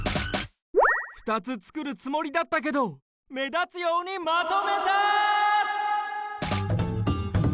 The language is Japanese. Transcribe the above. ２つ造るつもりだったけど目立つようにまとめた！